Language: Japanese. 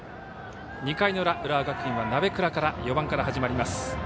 ２回の裏、浦和学院は鍋倉から４番から始まります。